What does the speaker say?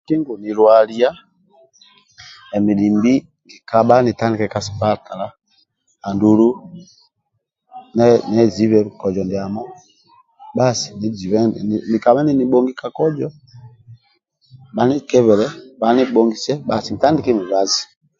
Kiba ngu nilwalia emi dumbi nkikabha nitandike ka sipatala andulu niezibe kozo ndiamo bhasi kabha ninibhongi ka kozo bhanikebele bhanibhongise nitandike mibazi